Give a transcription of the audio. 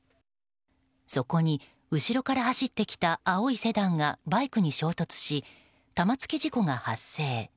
そこに後ろから走ってきた青いセダンがバイクに衝突し玉突き事故が発生。